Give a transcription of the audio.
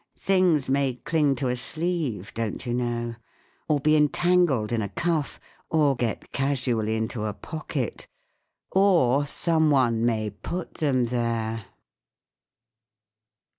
Things may cling to a sleeve, don't you know—or be entangled in a cuff—or get casually into a pocket! Or someone may put them there.